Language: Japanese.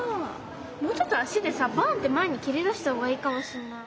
もうちょっと足でさバンッて前にけり出したほうがいいかもしんない。